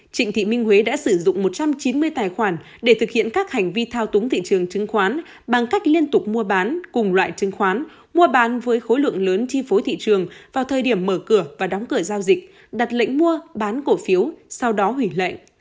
trịnh thị minh huế đã sử dụng một trăm chín mươi tài khoản để thực hiện các hành vi thao túng thị trường chứng khoán bằng cách liên tục mua bán cùng loại chứng khoán mua bán với khối lượng lớn chi phối thị trường vào thời điểm mở cửa và đóng cửa giao dịch đặt lệnh mua bán cổ phiếu sau đó hủy lệnh